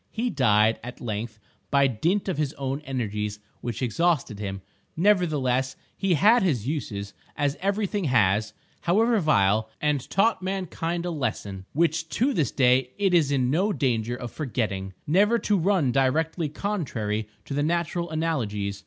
He died, at length, by dint of his own energies, which exhausted him. Nevertheless, he had his uses, as every thing has, however vile, and taught mankind a lesson which to this day it is in no danger of forgetting—never to run directly contrary to the natural analogies.